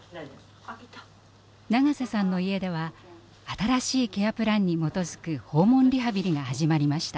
長瀬さんの家では新しいケアプランに基づく訪問リハビリが始まりました。